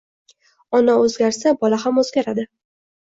Ona o'zgarsa, bola ham o'zgaradi.